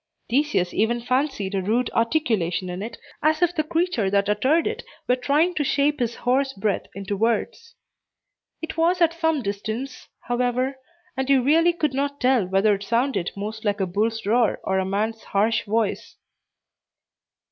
Theseus even fancied a rude articulation in it, as if the creature that uttered it were trying to shape his hoarse breath into words. It was at some distance, however, and he really could not tell whether it sounded most like a bull's roar or a man's harsh voice.